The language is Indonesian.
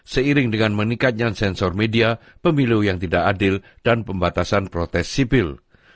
seiring dengan meningkatnya sensor media pemilu yang tidak adil dan pembatasan protes sipil